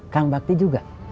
kang bakti juga